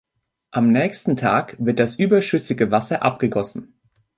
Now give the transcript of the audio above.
Am nächsten Tag wird das überschüssige Wasser abgegossen.